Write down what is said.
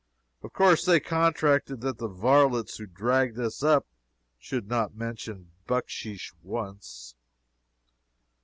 Of course they contracted that the varlets who dragged us up should not mention bucksheesh once.